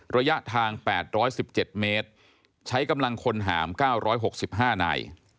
ระยะทางแปดร้อยสิบเจ็ดเมตรใช้กำลังคนหามเก้าร้อยหกสิบห้านาย